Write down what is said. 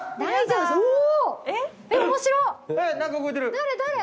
誰誰？